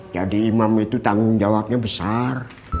jadi imam itu tanggung jawabnya besar